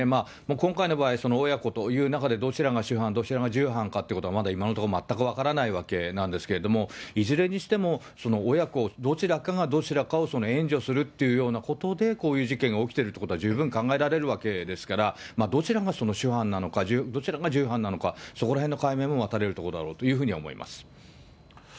今回の場合、親子という中で、どちらが主犯、どちらが従犯かということは、まだ今のところ全く分からないわけなんですけれども、いずれにしても、親子、どちらかがどちらかを援助するというようなことで、こういう事件が起きてるってことは、十分考えられるわけですから、どちらが主犯なのか、どちらが従犯なのか、そこらへんの解明も待たれるというふうに思います。